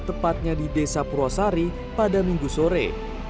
tepatnya di desa purwosari pada minggu sore